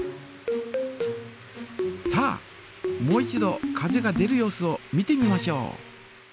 さあもう一度風が出る様子を見てみましょう。